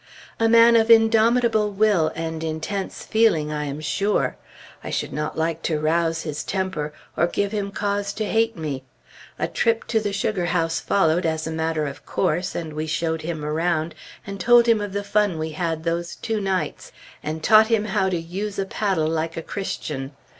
A man of indomitable will and intense feeling, I am sure. I should not like to rouse his temper, or give him cause to hate me. A trip to the sugar house followed, as a matter of course, and we showed him around, and told him of the fun we had those two nights, and taught him how to use a paddle like a Christian.